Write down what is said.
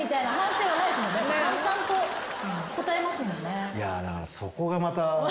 淡々と答えますもんね。